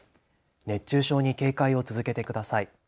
熱中症に警戒を続けてください。